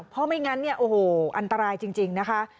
เพราะไม่งั้นเนี่ยโอ้โหอันตรายจริงนะคะ